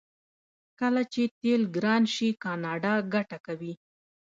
کله چې تیل ګران شي کاناډا ګټه کوي.